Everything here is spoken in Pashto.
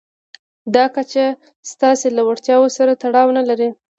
دا کچه ستاسې له وړتیاوو سره تړاو نه لري.